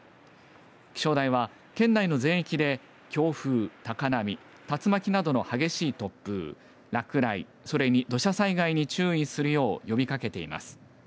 気象台は、県内の全域で強風、高波竜巻などの激しい突風落雷それに土砂災害に注意するよう呼びかけています。